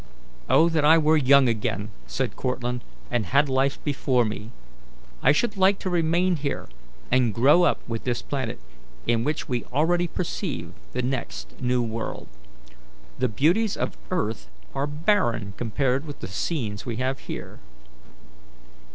"Oh that I were young again," said Cortlandt, "and had life before me! I should like to remain here and grow up with this planet, in which we already perceive the next New World. The beauties of earth are barren compared with the scenes we have here."